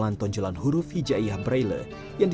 itu apa ya